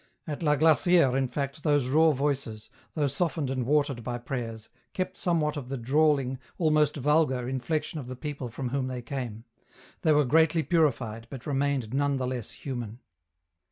94 EN ROUTE. At La Glacifere in fact those raw voices, though softened and watered by prayers, kept somewhat of the drawHng, almost vulgar, inflexion of the people from whom they came ; they were greatly purified, but remained none the less human.